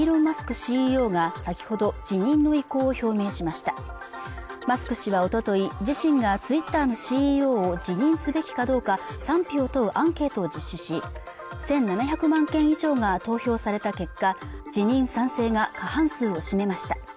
ＣＥＯが先ほど辞任の意向を表明しましたマスク氏はおととい自身がツイッターのＣＥＯを辞任すべきかどうか賛否を問うアンケートを実施し１７００万件以上が投票された結果辞任賛成が過半数を占めました